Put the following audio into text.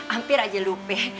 hampir aja lupa